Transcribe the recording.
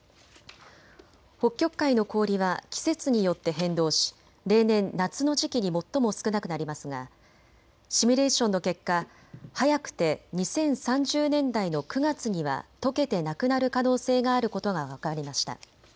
北極海の氷は季節によって変動し例年、夏の時期に最も少なくなりますがシミュレーションの結果、早くて２０３０年代の９月にはとけてなくなる可能性があることが分かりました。